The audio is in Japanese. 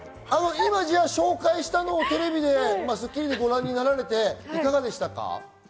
今、紹介したのをテレビでご覧になられていかがでしたか？